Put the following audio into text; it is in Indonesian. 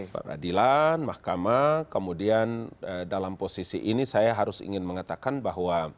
peradilan mahkamah kemudian dalam posisi ini saya harus ingin mengatakan bahwa